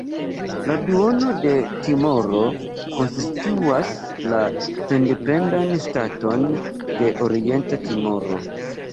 La duono de Timoro konstituas la sendependan ŝtaton de Orienta Timoro.